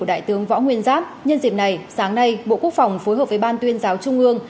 đại tướng võ nguyên giáp nhân dịp này sáng nay bộ quốc phòng phối hợp với ban tuyên giáo trung ương